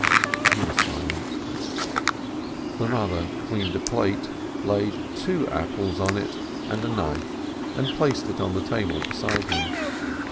He was silent. The mother cleaned a plate, laid two apples on it, and a knife, and placed it on the table beside him.